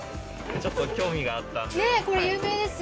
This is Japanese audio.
ちょっと興味があったんで。